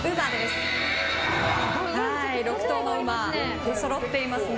６頭のうま、出そろっていますね。